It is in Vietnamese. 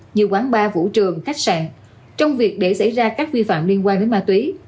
như quán bar vũ trường khách sạn trong việc để xảy ra các vi phạm liên quan đến ma túy